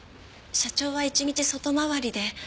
社長は一日外回りで。